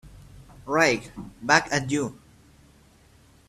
Right back at you.